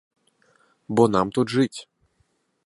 Бо нам тут жыць.